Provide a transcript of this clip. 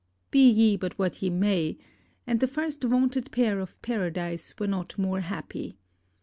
Be ye but what ye may, and the first vaunted pair of paradise were not more happy!